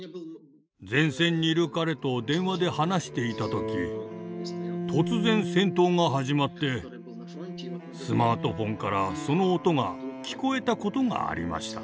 前線にいる彼と電話で話していた時突然戦闘が始まってスマートフォンからその音が聞こえたことがありました。